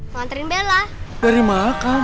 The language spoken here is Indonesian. ngantrin bella dari makam